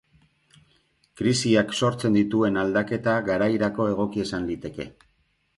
Krisiak sortzen dituen aldaketa garairako egokia izan liteke.